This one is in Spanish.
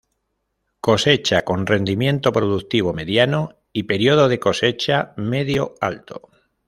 Cosecha con rendimiento productivo mediano, y periodo de cosecha medio-alto.